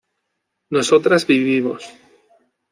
nosotras vivimos